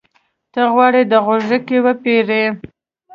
ته غواړې د غوږيکې وپېرې؟